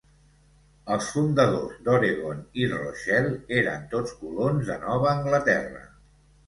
Els fundadors d'Oregon i Rochelle eren tots colons de Nova Anglaterra.